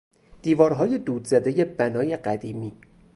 دیوارهای دود زدهی بنای قدیمی